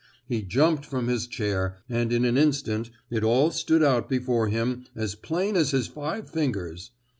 He jumped from his chair, and in an instant it all stood out before him as plain as his five fingers!